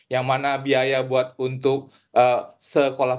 yang mana biaya buat untuk sekolah sekolah yang mana biaya buat untuk sekolah sekolah